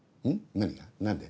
何が？何で？